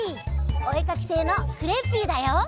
おえかきせいのクレッピーだよ！